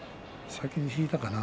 先に引いたかな。